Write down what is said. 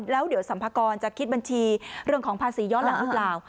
แล้วเดี๋ยวสัมภากรจะคิดบัญชีเรื่องของภาษีย้อนหลังหรือเปล่า